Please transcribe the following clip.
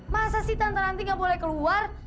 masa sih tante rantimer nggak boleh keluar